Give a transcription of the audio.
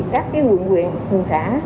các quận nguyện thường xã